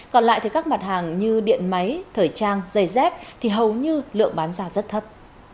còn lại thì các mặt hàng như điện máy thời trang giày dép thì hầu như lượng bán ra rất thấp